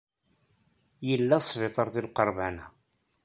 Yella wesbiṭar deg lqerban-a.